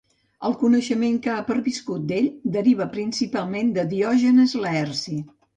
El coneixement que ha perviscut d'ell deriva principalment de Diògenes Laerci.